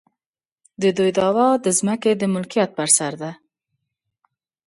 د دوی دعوه د ځمکې د ملکیت پر سر ده.